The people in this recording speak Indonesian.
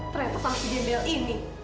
ternyata pasti jembel ini